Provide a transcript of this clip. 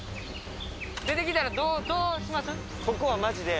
出て来たらどうします？